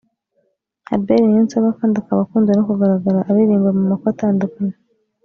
Albert Niyonsaba kandi akaba akunze no kugaragara aririmba mu makwe atandukanye